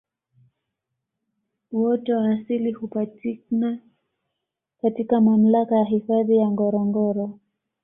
Uoto wa asili hupatikna katika mamlaka ya hifadhi ya Ngorongoro